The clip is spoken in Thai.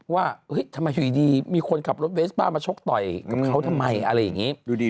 ว่าทำไมอยู่ดีมีคนขับรถเวสป้ามาชกต่อยกับเขาทำไมอะไรอย่างนี้